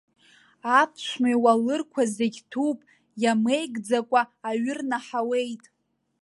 Аԥшәма иуалырқәа зегь ҭәуп, иамеигӡакәа аҩы рнаҳауеит.